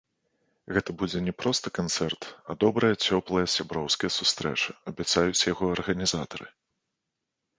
Гэта будзе не проста канцэрт, а добрая цёплая сяброўская сустрэча, абяцаюць яго арганізатары.